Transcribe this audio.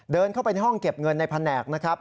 เดินเข้าไปในห้องเก็บเงินในแผนกนะครับ